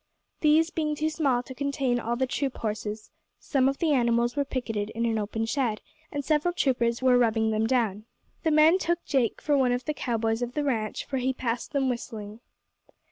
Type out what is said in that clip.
These being too small to contain all the troop horses, some of the animals were picketed in an open shed, and several troopers were rubbing them down. The men took Jake for one of the cow boys of the ranch, for he passed them whistling.